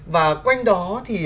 và quanh đó thì